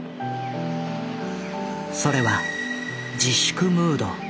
それは自粛ムード。